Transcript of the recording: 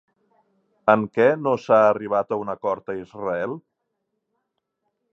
En què no s'ha arribat a un acord a Israel?